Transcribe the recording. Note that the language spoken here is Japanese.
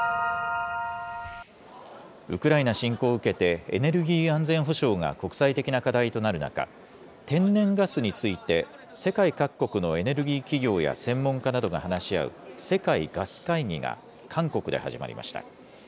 ウクライナ侵攻を受けて、エネルギー安全保障が国際的な課題となる中、天然ガスについて、世界各国のエネルギー企業や専門家などが話し合う、世界ガス会議が韓国で始まりました。